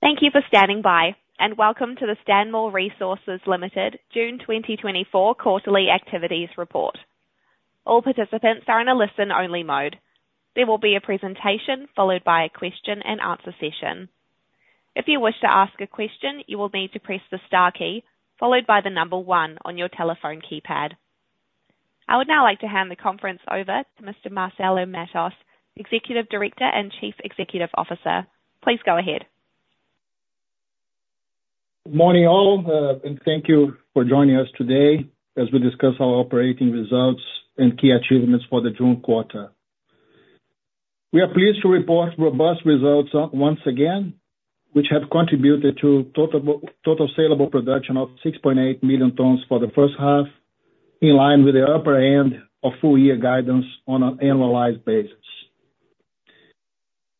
Thank you for standing by, and welcome to the Stanmore Resources Limited June 2024 quarterly activities report. All participants are in a listen-only mode. There will be a presentation followed by a question and answer session. If you wish to ask a question, you will need to press the star key followed by the number one on your telephone keypad. I would now like to hand the conference over to Mr. Marcelo Matos, Executive Director and Chief Executive Officer. Please go ahead. Good morning, all, and thank you for joining us today as we discuss our operating results and key achievements for the June quarter. We are pleased to report robust results once again, which have contributed to total saleable production of 6.8 million tons for the first half, in line with the upper end of full year guidance on an annualized basis.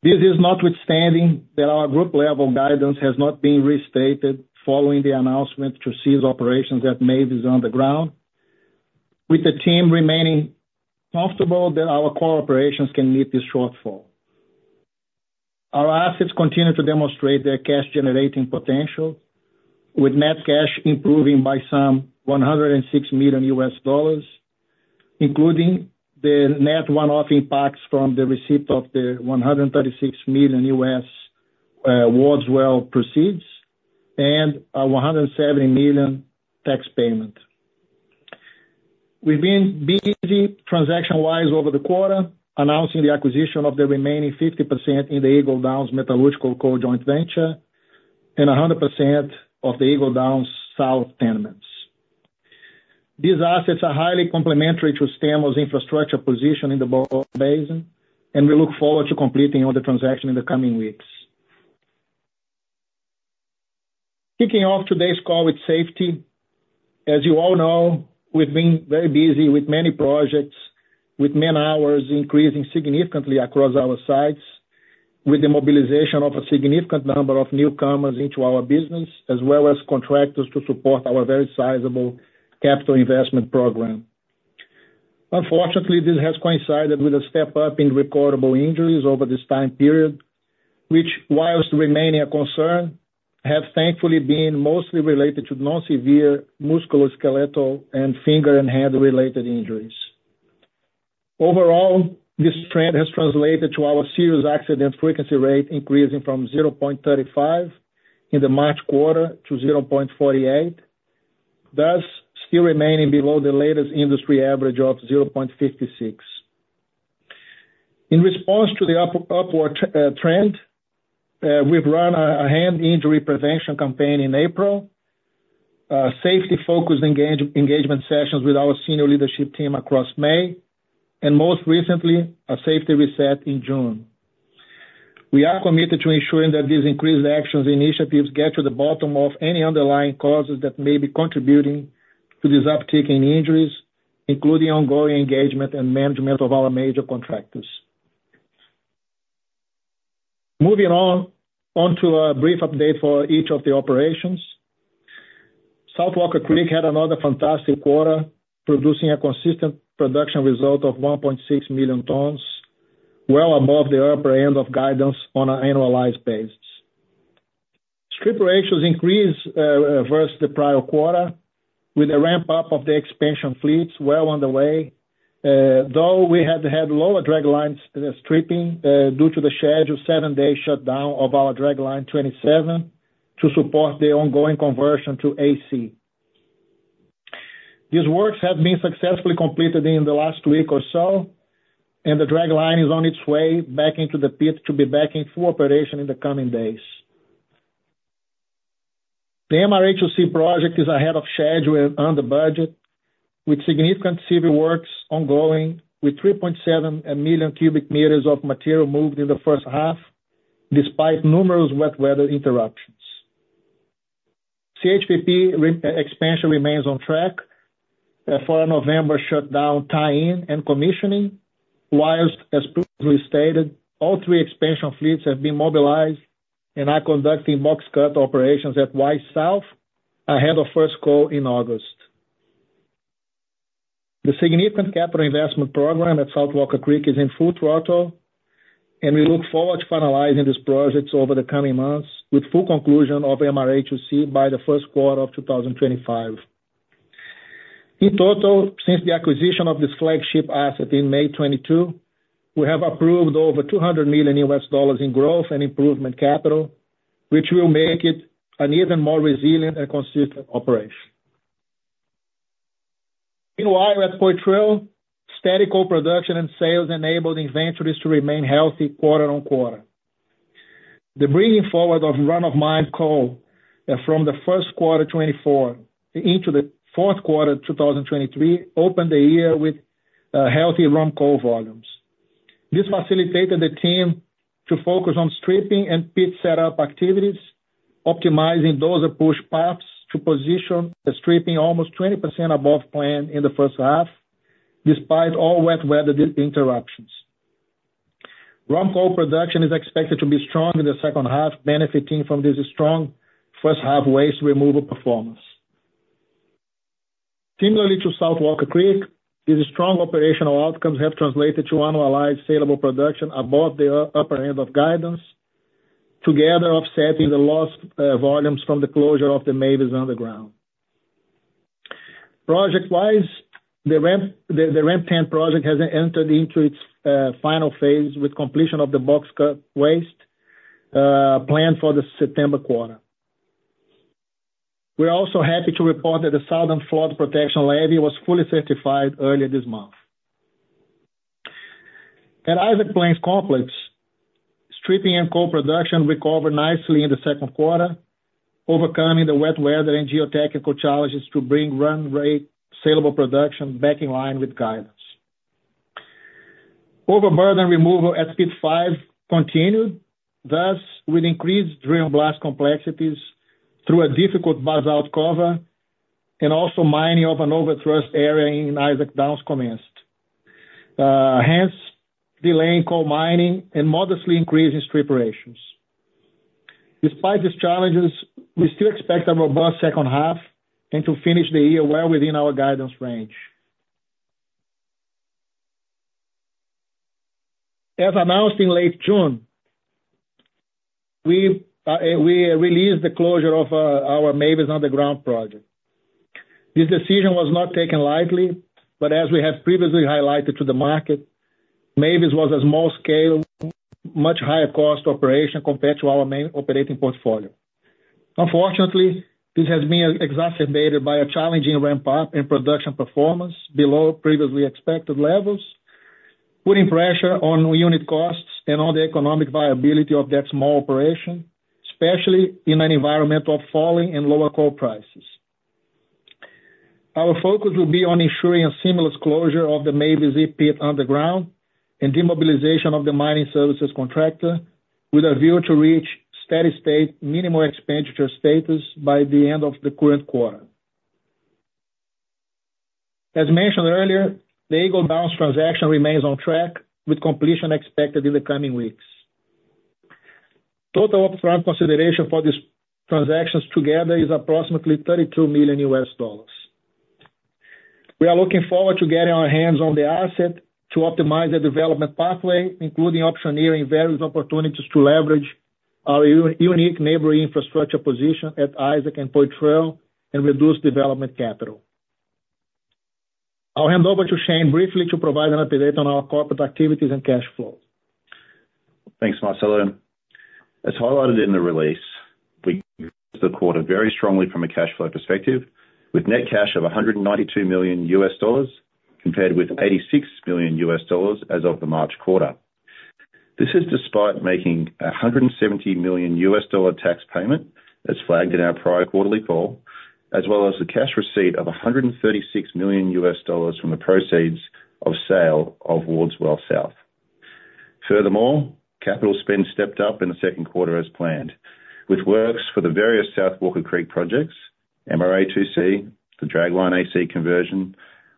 This is notwithstanding that our group level guidance has not been restated following the announcement to cease operations at Mavis Downs underground, with the team remaining comfortable that our core operations can meet this shortfall. Our assets continue to demonstrate their cash-generating potential, with net cash improving by some $106 million, including the net one-off impacts from the receipt of the $136 million Wards Well proceeds, and a $170 million tax payment. We've been busy transaction-wise over the quarter, announcing the acquisition of the remaining 50% in the Eagle Downs Metallurgical Coal Joint Venture, and 100% of the Eagle Downs South Tenements. These assets are highly complementary to Stanmore's infrastructure position in the Bowen Basin, and we look forward to completing all the transaction in the coming weeks. Kicking off today's call with safety. As you all know, we've been very busy with many projects, with man-hours increasing significantly across our sites, with the mobilization of a significant number of newcomers into our business, as well as contractors to support our very sizable capital investment program. Unfortunately, this has coincided with a step up in recordable injuries over this time period, which, while remaining a concern, have thankfully been mostly related to non-severe musculoskeletal and finger and hand-related injuries. Overall, this trend has translated to our serious accident frequency rate increasing from 0.35 in the March quarter to 0.48, thus still remaining below the latest industry average of 0.56. In response to the trend, we've run a hand injury prevention campaign in April, safety-focused engagement sessions with our senior leadership team across May, and most recently, a safety reset in June. We are committed to ensuring that these increased actions and initiatives get to the bottom of any underlying causes that may be contributing to this uptick in injuries, including ongoing engagement and management of our major contractors. Moving on to a brief update for each of the operations. South Walker Creek had another fantastic quarter, producing a consistent production result of 1.6 million tons, well above the upper end of guidance on an annualized basis. Strip ratios increased versus the prior quarter, with a ramp-up of the expansion fleets well on the way, though we have had lower draglines stripping due to the scheduled seven-day shutdown of our Dragline 27 to support the ongoing conversion to AC. These works have been successfully completed in the last week or so, and the dragline is on its way back into the pit to be back in full operation in the coming days. The MRA2C project is ahead of schedule and under budget, with significant civil works ongoing, with 3.7 million cubic meters of material moved in the first half, despite numerous wet weather interruptions. CHPP re-expansion remains on track for a November shutdown tie-in and commissioning, whilst, as previously stated, all three expansion fleets have been mobilized and are conducting box cut operations at Y South ahead of first coal in August. The significant capital investment program at South Walker Creek is in full throttle, and we look forward to finalizing these projects over the coming months, with full conclusion of MRA2C by the first quarter of 2025. In total, since the acquisition of this flagship asset in May 2022, we have approved over $200 million in growth and improvement capital, which will make it an even more resilient and consistent operation. Meanwhile, at Poitrel, steady coal production and sales enabled inventories to remain healthy quarter-over-quarter. The bringing forward of run-of-mine coal from the first quarter 2024 into the fourth quarter 2023 opened the year with healthy run coal volumes. This facilitated the team to focus on stripping and pit setup activities, optimizing those push paths to position the stripping almost 20% above plan in the first half, despite all wet weather interruptions. Run coal production is expected to be strong in the second half, benefiting from this strong first half waste removal performance.... Similarly to South Walker Creek, these strong operational outcomes have translated to annualized saleable production above the upper end of guidance, together offsetting the lost volumes from the closure of the Mavis underground. Project-wise, the Ramp 10 project has entered into its final phase, with completion of the box cut waste planned for the September quarter. We're also happy to report that the southern flood protection levee was fully certified earlier this month. At Isaac Plains Complex, stripping and coal production recovered nicely in the second quarter, overcoming the wet weather and geotechnical challenges to bring run rate saleable production back in line with guidance. Overburden removal at Pit 5 continued, thus with increased drill and blast complexities through a difficult buttress cover, and also mining of an overthrust area in Isaac Downs commenced, hence delaying coal mining and modestly increasing strip ratios. Despite these challenges, we still expect a robust second half and to finish the year well within our guidance range. As announced in late June, we've released the closure of our Mavis Underground project. This decision was not taken lightly, but as we have previously highlighted to the market, Mavis was a small scale, much higher cost operation compared to our main operating portfolio. Unfortunately, this has been exacerbated by a challenging ramp-up and production performance below previously expected levels, putting pressure on unit costs and on the economic viability of that small operation, especially in an environment of falling and lower coal prices. Our focus will be on ensuring a seamless closure of the Mavis deep pit underground and demobilization of the mining services contractor, with a view to reach steady state, minimal expenditure status by the end of the current quarter. As mentioned earlier, the Eagle Downs transaction remains on track, with completion expected in the coming weeks. Total upfront consideration for these transactions together is approximately $32 million. We are looking forward to getting our hands on the asset to optimize the development pathway, including optioneering various opportunities to leverage our unique neighboring infrastructure position at Isaac and Poitrel and reduce development capital. I'll hand over to Shane briefly to provide an update on our corporate activities and cash flows. Thanks, Marcelo. As highlighted in the release, we... the quarter very strongly from a cash flow perspective, with net cash of $192 million, compared with $86 million as of the March quarter. This is despite making a $170 million tax payment, as flagged in our prior quarterly call, as well as the cash receipt of $136 million from the proceeds of sale of Wards Well South. Furthermore, capital spend stepped up in the second quarter as planned, with works for the various South Walker Creek projects, MRA2C, the Dragline AC conversion,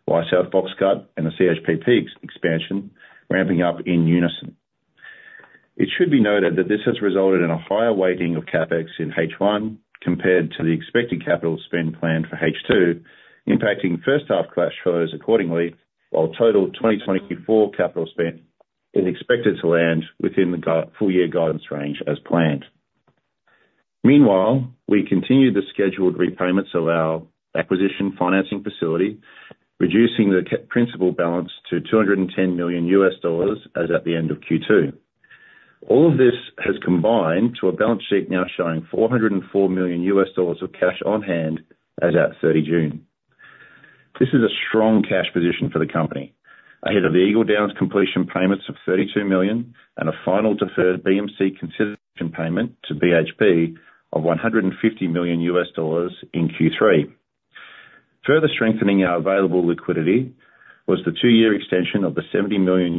Y South Box Cut, and the CHPP expansion, ramping up in unison. It should be noted that this has resulted in a higher weighting of CapEx in H1 compared to the expected capital spend plan for H2, impacting first half cash flows accordingly, while total 2024 capital spend is expected to land within the full year guidance range as planned. Meanwhile, we continued the scheduled repayments of our acquisition financing facility, reducing the principal balance to $210 million as at the end of Q2. All of this has combined to a balance sheet now showing $404 million of cash on hand as at 30 June. This is a strong cash position for the company, ahead of the Eagle Downs completion payments of $32 million and a final deferred BMC consideration payment to BHP of $150 million in Q3. Further strengthening our available liquidity was the two-year extension of the $70 million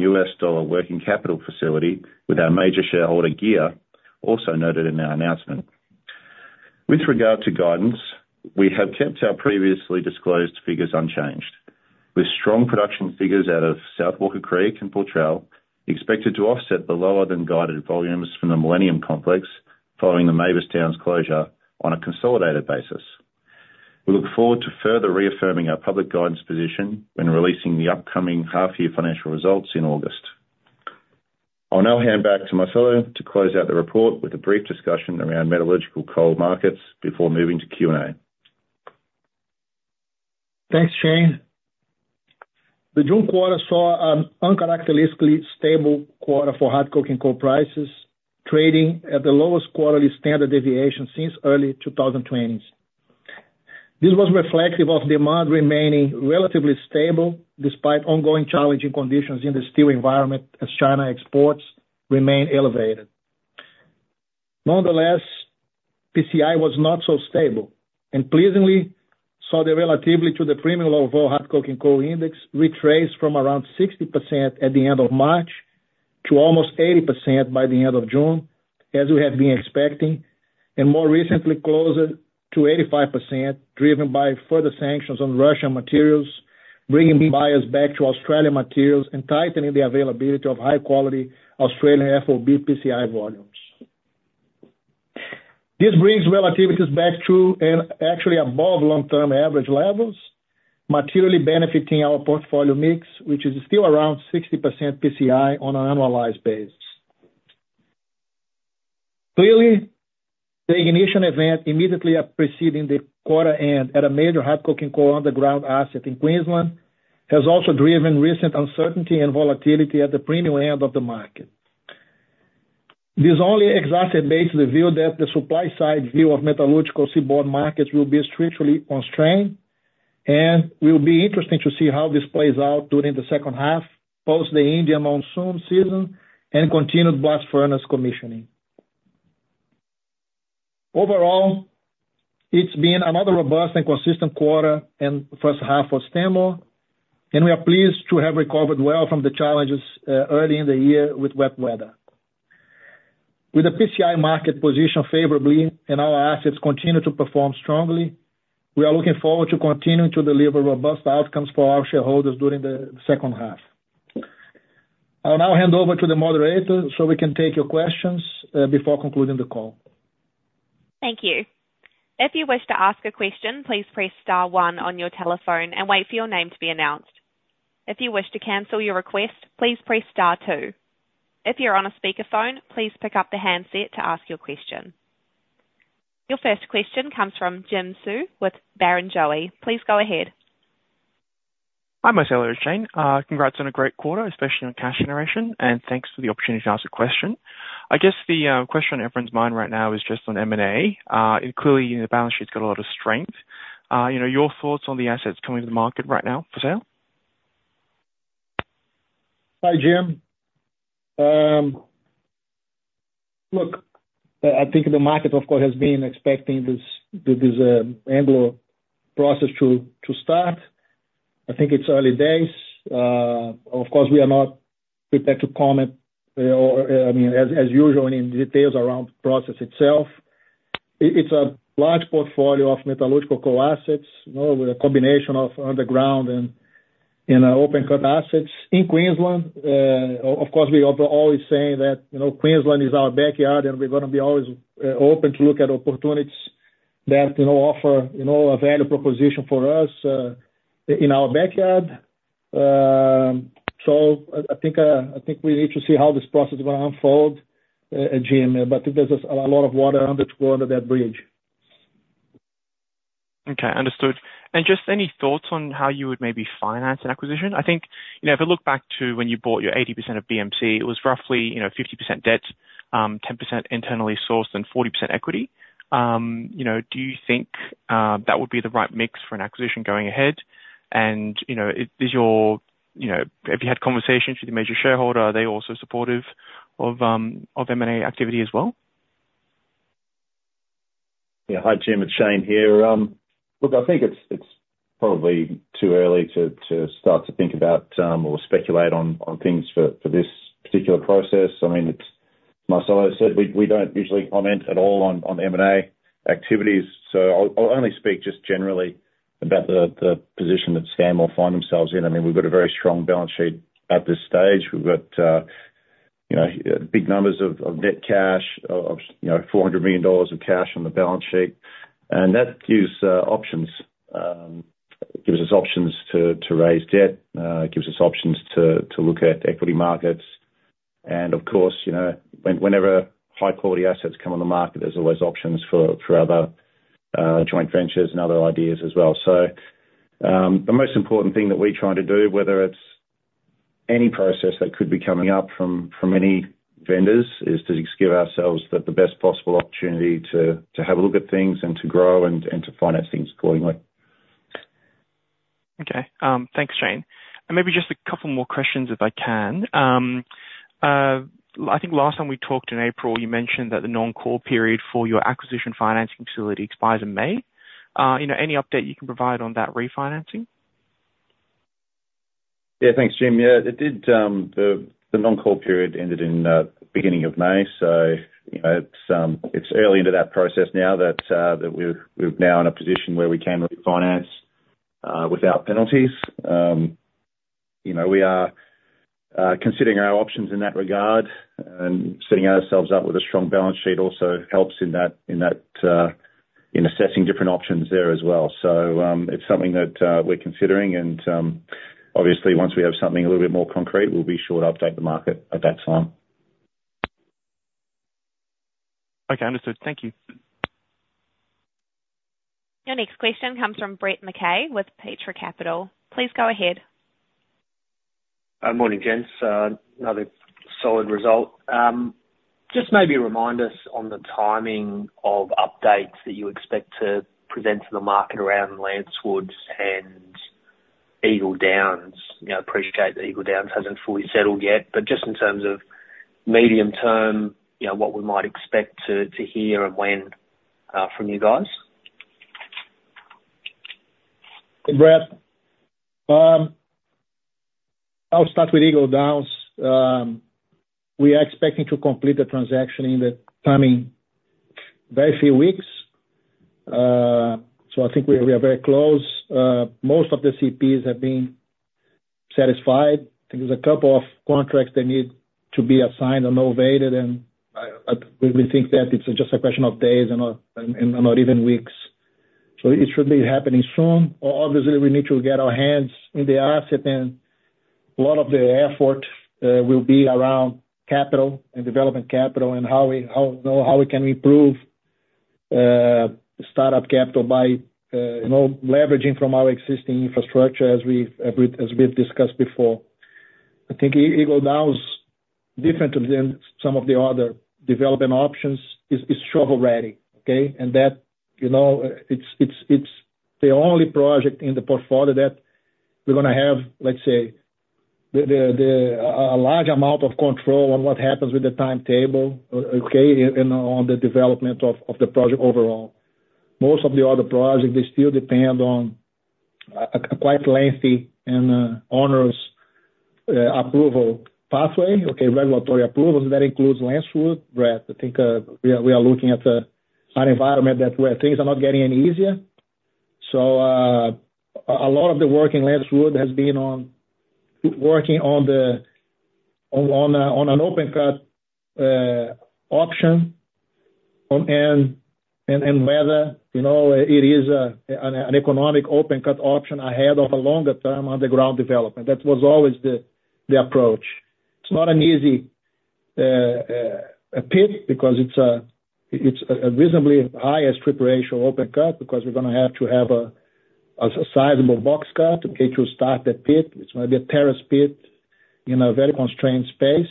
working capital facility with our major shareholder, GEAR, also noted in our announcement. With regard to guidance, we have kept our previously disclosed figures unchanged, with strong production figures out of South Walker Creek and Poitrel, expected to offset the lower-than-guided volumes from the Isaac Plains Complex, following the Mavis Downs closure on a consolidated basis. We look forward to further reaffirming our public guidance position when releasing the upcoming half-year financial results in August. I'll now hand back to Marcelo to close out the report with a brief discussion around metallurgical coal markets before moving to Q&A. Thanks, Shane. The June quarter saw an uncharacteristically stable quarter for hard coking coal prices, trading at the lowest quarterly standard deviation since early 2020s. This was reflective of demand remaining relatively stable, despite ongoing challenging conditions in the steel environment, as China exports remain elevated. Nonetheless, PCI was not so stable, and pleasingly, saw the relativity to the premium level hard coking coal index retrace from around 60% at the end of March to almost 80% by the end of June, as we have been expecting, and more recently, closer to 85%, driven by further sanctions on Russian materials, bringing buyers back to Australian materials and tightening the availability of high-quality Australian FOB PCI volumes. This brings relativities back to and actually above long-term average levels, materially benefiting our portfolio mix, which is still around 60% PCI on an annualized basis. Clearly, the ignition event immediately preceding the quarter end at a major hard coking coal underground asset in Queensland, has also driven recent uncertainty and volatility at the premium end of the market. This only exacerbates the view that the supply side view of metallurgical seaborne markets will be structurally constrained, and will be interesting to see how this plays out during the second half, post the India monsoon season and continued blast furnace commissioning. Overall, it's been another robust and consistent quarter and first half for Stanmore, and we are pleased to have recovered well from the challenges early in the year with wet weather. With the PCI market position favorably and our assets continue to perform strongly, we are looking forward to continuing to deliver robust outcomes for our shareholders during the second half. I'll now hand over to the moderator, so we can take your questions, before concluding the call. Thank you. If you wish to ask a question, please press star one on your telephone and wait for your name to be announced. If you wish to cancel your request, please press star two. If you're on a speakerphone, please pick up the handset to ask your question. Your first question comes from Jim Su with Barrenjoey. Please go ahead. Hi, Marcelo and Shane. Congrats on a great quarter, especially on cash generation, and thanks for the opportunity to ask a question. I guess the question on everyone's mind right now is just on M&A. And clearly, the balance sheet's got a lot of strength. You know, your thoughts on the assets coming to the market right now for sale? Hi, Jim. Look, I think the market, of course, has been expecting this, this Anglo process to start. I think it's early days. Of course, we are not prepared to comment, or I mean, as usual, in details around the process itself. It's a large portfolio of metallurgical coal assets, you know, with a combination of underground and open cut assets. In Queensland, of course, we are always saying that, you know, Queensland is our backyard, and we're gonna be always open to look at opportunities that, you know, offer, you know, a value proposition for us in our backyard. So I think we need to see how this process is gonna unfold, Jim, but there's a lot of water to go under that bridge. Okay, understood. And just any thoughts on how you would maybe finance an acquisition? I think, you know, if I look back to when you bought your 80% of BMC, it was roughly, you know, 50% debt, 10% internally sourced, and 40% equity. You know, do you think that would be the right mix for an acquisition going ahead? And, you know, is your... You know, have you had conversations with your major shareholder? Are they also supportive of of M&A activity as well? Yeah. Hi, Jim, it's Shane here. Look, I think it's probably too early to start to think about or speculate on things for this particular process. I mean, it's, Marcelo said, we don't usually comment at all on M&A activities, so I'll only speak just generally about the position that Stanmore find themselves in. I mean, we've got a very strong balance sheet at this stage. We've got, you know, big numbers of net cash, of, you know, $400 million of cash on the balance sheet. And that gives options. Gives us options to raise debt, gives us options to look at equity markets. Of course, you know, whenever high-quality assets come on the market, there's always options for other joint ventures and other ideas as well. So, the most important thing that we're trying to do, whether it's any process that could be coming up from any vendors, is to just give ourselves the best possible opportunity to have a look at things and to grow and to finance things accordingly. Okay. Thanks, Shane. And maybe just a couple more questions, if I can. I think last time we talked in April, you mentioned that the non-core period for your acquisition financing facility expires in May. You know, any update you can provide on that refinancing? Yeah, thanks, Jim. Yeah, it did, the non-core period ended in beginning of May. So, you know, it's early into that process now that we're now in a position where we can refinance without penalties. You know, we are considering our options in that regard, and setting ourselves up with a strong balance sheet also helps in that in assessing different options there as well. So, it's something that we're considering, and obviously, once we have something a little bit more concrete, we'll be sure to update the market at that time. Okay, understood. Thank you. Your next question comes from Brett McKay, with Petra Capital. Please go ahead. Morning, gents. Another solid result. Just maybe remind us on the timing of updates that you expect to present to the market around Lancewood and Eagle Downs. You know, appreciate that Eagle Downs hasn't fully settled yet, but just in terms of medium term, you know, what we might expect to hear and when from you guys. Hey, Brett. I'll start with Eagle Downs. We are expecting to complete the transaction in the coming very few weeks. So I think we are very close. Most of the CPs have been satisfied. There's a couple of contracts that need to be assigned or novated, and we think that it's just a question of days and not even weeks. So it should be happening soon. Obviously, we need to get our hands on the asset, and a lot of the effort will be around capital and development capital and how we, you know, how we can improve startup capital by, you know, leveraging from our existing infrastructure as we've discussed before. I think Eagle Downs different than some of the other development options. It's shovel ready, okay? That, you know, it's the only project in the portfolio that we're gonna have, let's say, a large amount of control on what happens with the timetable, okay, and on the development of the project overall. Most of the other projects, they still depend on a quite lengthy and onerous approval pathway, okay, regulatory approvals, and that includes Lancewood. Brett, I think, we are looking at an environment where things are not getting any easier. So, a lot of the work in Lancewood has been on working on an open cut option, and whether, you know, it is an economic open cut option ahead of a longer term underground development. That was always the approach. It's not an easy pit, because it's a reasonably high strip ratio open cut, because we're gonna have to have a sizable box cut, okay, to start the pit, which might be a terrace pit in a very constrained space,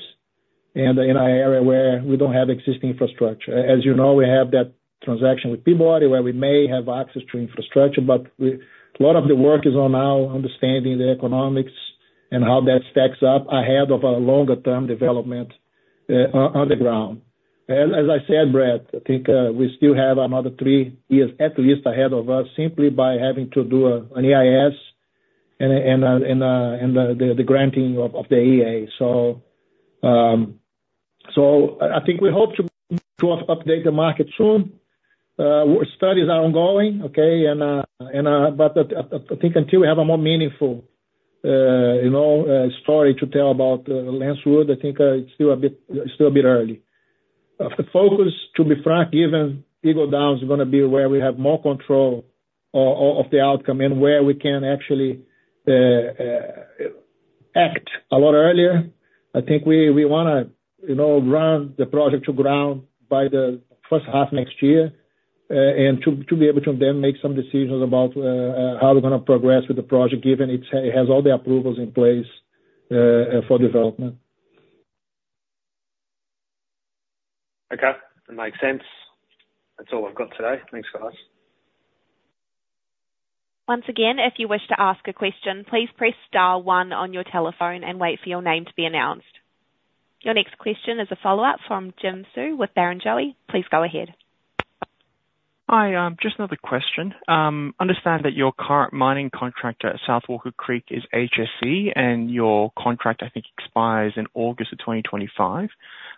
and in an area where we don't have existing infrastructure. As you know, we have that transaction with Peabody, where we may have access to infrastructure, but a lot of the work is on now understanding the economics and how that stacks up ahead of a longer term development, underground. And as I said, Brett, I think we still have another three years at least ahead of us, simply by having to do an EIS and the granting of the EA. So, so I think we hope to update the market soon. Studies are ongoing, okay? And... But I think until we have a more meaningful, you know, story to tell about Lancewood, I think it's still a bit, still a bit early. The focus, to be frank, given Eagle Downs is gonna be where we have more control of the outcome and where we can actually act a lot earlier. I think we wanna, you know, run the project to ground by the first half next year, and to be able to then make some decisions about how we're gonna progress with the project, given it has all the approvals in place for development. Okay, that makes sense. That's all I've got today. Thanks, guys. Once again, if you wish to ask a question, please press star one on your telephone and wait for your name to be announced. Your next question is a follow-up from Jim Su with Barrenjoey. Please go ahead. Hi, just another question. Understand that your current mining contractor at South Walker Creek is HSE, and your contract, I think, expires in August of 2025.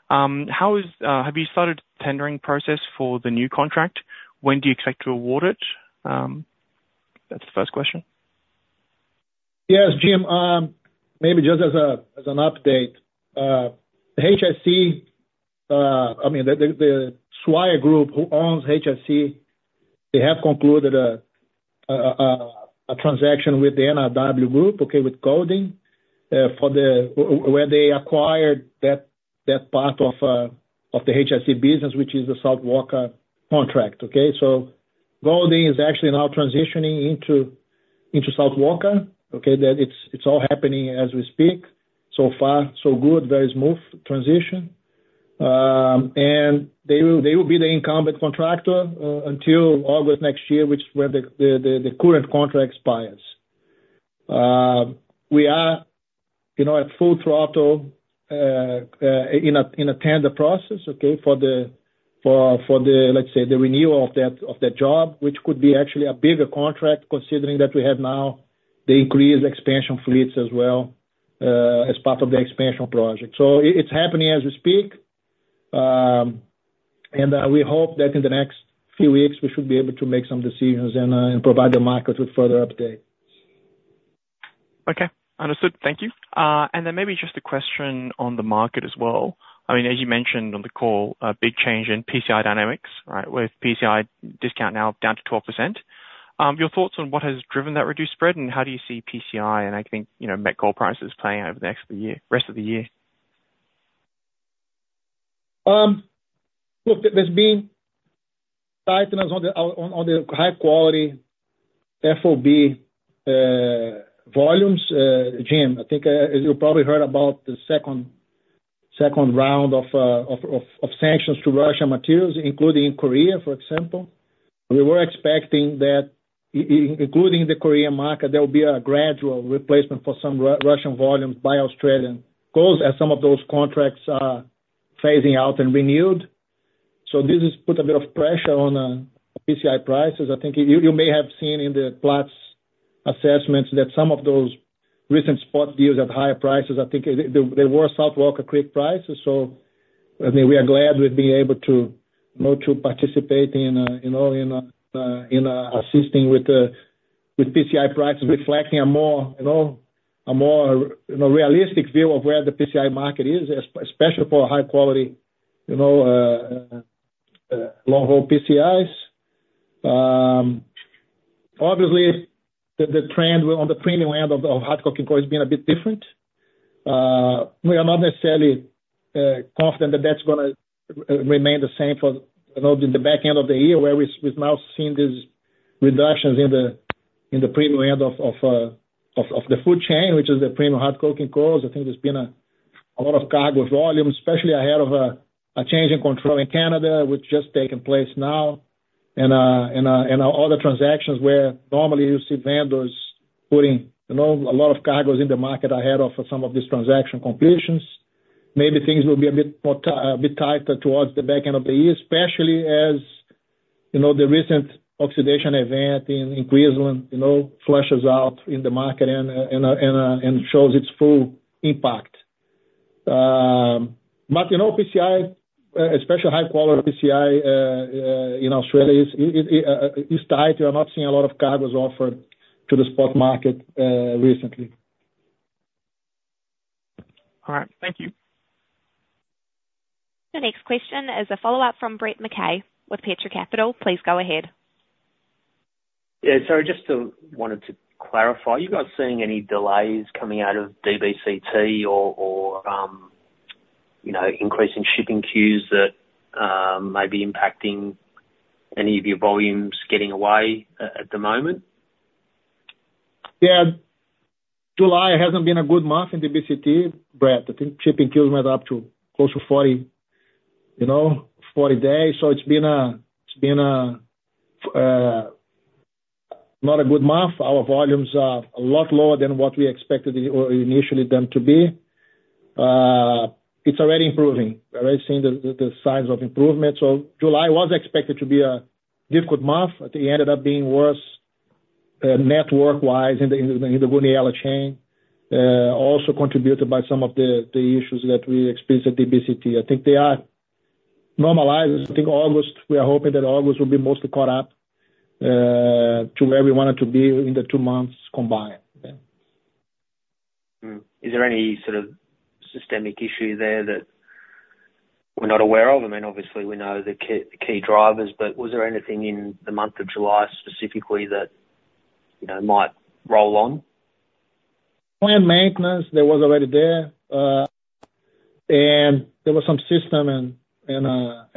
Have you started tendering process for the new contract? When do you expect to award it? That's the first question. Yes, Jim, maybe just as an update, the HSE, I mean, the Swire Group, who owns HSE, they have concluded a transaction with the NRW Holdings, okay, acquiring that part of the HSE business, which is the South Walker contract, okay? So NRW Holdings is actually now transitioning into South Walker, okay? That it's all happening as we speak. So far, so good, very smooth transition. And they will be the incumbent contractor until August next year, where the current contract expires. We are, you know, at full throttle in a tender process, okay? For the renewal of that job, which could be actually a bigger contract, considering that we have now the increased expansion fleets as well, as part of the expansion project. So it's happening as we speak. And we hope that in the next few weeks, we should be able to make some decisions and provide the market with further updates. Okay. Understood. Thank you. And then maybe just a question on the market as well. I mean, as you mentioned on the call, a big change in PCI dynamics, right? With PCI discount now down to 12%. Your thoughts on what has driven that reduced spread, and how do you see PCI, and I think, you know, met coal prices playing over the next year, rest of the year? Look, there's been tightness on the high quality FOB volumes. Jim, I think as you probably heard about the second round of sanctions to Russian materials, including in Korea, for example. We were expecting that including the Korean market, there will be a gradual replacement for some Russian volumes by Australian coals, as some of those contracts are phasing out and renewed. So this has put a bit of pressure on PCI prices. I think you may have seen in the Platts assessments that some of those recent spot deals at higher prices, I think they were South Walker Creek prices, so... I mean, we are glad we've been able to, you know, to participate in, you know, in, in, assisting with, with PCI prices, reflecting a more, you know, a more, you know, realistic view of where the PCI market is, especially for high quality, you know, long-haul PCIs. Obviously, the trend on the premium end of hard coking coal has been a bit different. We are not necessarily confident that that's gonna remain the same for, you know, in the back end of the year, where we've now seen these reductions in the premium end of the food chain, which is the premium hard coking coal. I think there's been a lot of cargo volume, especially ahead of a change in control in Canada, which just taken place now. Other transactions where normally you see vendors putting, you know, a lot of cargos in the market ahead of some of these transaction completions. Maybe things will be a bit tighter towards the back end of the year, especially as, you know, the recent oxidation event in Queensland, you know, flushes out in the market and shows its full impact. But, you know, PCI, especially high quality PCI, in Australia, is tight. We are not seeing a lot of cargos offered to the spot market recently. All right. Thank you. The next question is a follow-up from Brett McKay with Petra Capital. Please go ahead. Yeah, sorry, just wanted to clarify, are you guys seeing any delays coming out of DBCT or you know increase in shipping queues that may be impacting any of your volumes getting away at the moment? Yeah. July hasn't been a good month in DBCT, Brett. I think shipping queues went up to close to 40, you know, 40 days. So it's been a not a good month. Our volumes are a lot lower than what we expected or initially them to be. It's already improving. We're already seeing the signs of improvement. So July was expected to be a difficult month, but it ended up being worse, network-wise in the Goonyella chain. Also contributed by some of the issues that we experienced at DBCT. I think they are normalizing. I think August, we are hoping that August will be mostly caught up to where we wanted to be in the two months combined, yeah. Mm. Is there any sort of systemic issue there that we're not aware of? I mean, obviously, we know the key, the key drivers, but was there anything in the month of July specifically that, you know, might roll on? Well, maintenance, that was already there. And there was some system issues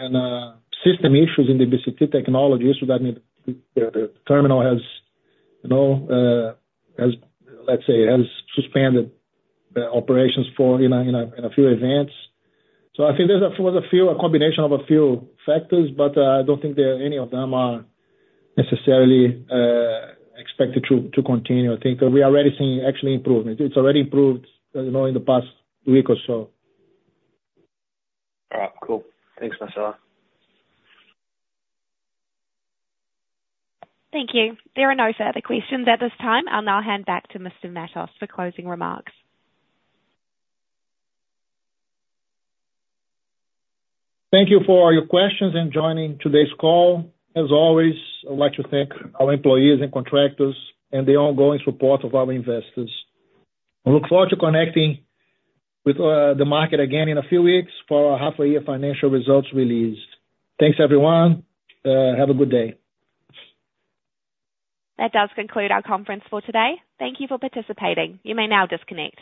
in the DBCT technology issue that the terminal has, you know, let's say, suspended the operations for, you know, in a few events. So I think there was a combination of a few factors, but I don't think any of them are necessarily expected to continue. I think we are already seeing actually improvement. It's already improved, you know, in the past week or so. All right. Cool. Thanks, Marcelo. Thank you. There are no further questions at this time. I'll now hand back to Mr. Matos for closing remarks. Thank you for all your questions and joining today's call. As always, I'd like to thank our employees and contractors, and the ongoing support of our investors. I look forward to connecting with, the market again in a few weeks for our half-year financial results release. Thanks, everyone. Have a good day. That does conclude our conference for today. Thank you for participating. You may now disconnect.